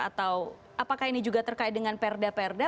atau apakah ini juga terkait dengan perda perda